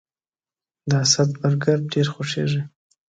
د اسد برګر ډیر خوښیږي